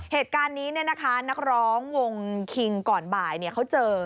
เหตุการณ์นี้นักร้องวงคิงก่อนบ่ายเขาเจอ